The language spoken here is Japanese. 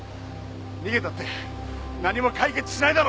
逃げたって何も解決しないだろう。